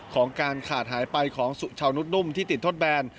ของการขาดหายไปของสุชาวนุษนุ่มที่ติดทดแบน